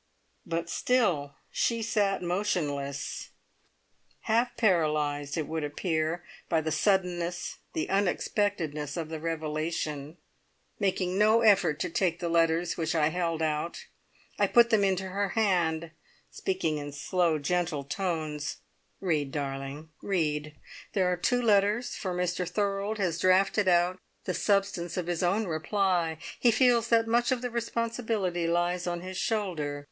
But still she sat motionless, half paralysed, it would appear, by the suddenness, the unexpectedness of the revelation, making no effort to take the letters which I held out. I put them into her hand, speaking in slow, gentle tones: "Read, darling read! There are two letters, for Mr Thorold has drafted out the substance of his own reply. He feels that much of the responsibility lies on his shoulder.